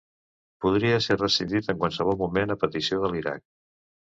Podria ser rescindit en qualsevol moment a petició de l'Iraq.